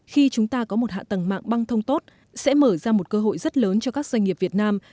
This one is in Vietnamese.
khi chúng ta có một hạ tầng mạng băng thông tốt sẽ mở ra một cơ hội rất lớn cho các doanh nghiệp việt nam